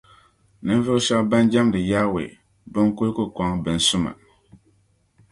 ninvuɣ’ shɛb’ bɛn jɛmdi Yawɛ bɛn’ kul ku kɔŋ binsuma.